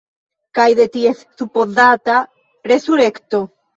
Kaj de ties supozata resurekto.